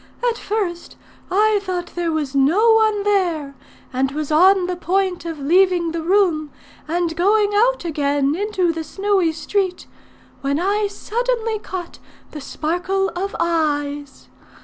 At first I thought there was no one there, and was on the point of leaving the room, and going out again into the snowy street, when I suddenly caught the sparkle of eyes.